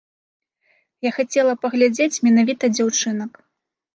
Я хацела паглядзець менавіта дзяўчынак.